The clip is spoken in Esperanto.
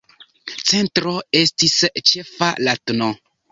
Centro estis ĉefa, la tn.